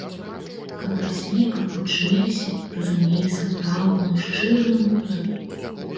Каб раслі, каб вучыліся, разумелі сапраўдную, шчырую музыку.